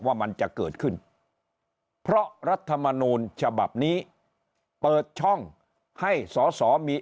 ว่ามันจะเกิดขึ้นเพราะรัฐมนูลฉบับนี้เปิดช่องให้สอสอมี